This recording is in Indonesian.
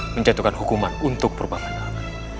menjatuhkan hukuman untuk perbamatan